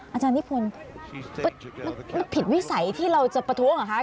อาจารย์นิพนธ์ผิดวิสัยที่เราจะประโทษหรือคะ